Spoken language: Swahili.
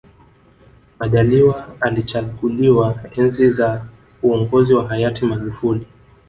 majaliwa alichaguliwa enzi za uongozi wa hayati magufuli